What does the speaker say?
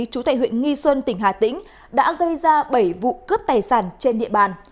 chú tại huyện nghi xuân tỉnh hà tĩnh đã gây ra bảy vụ cướp tài sản trên địa bàn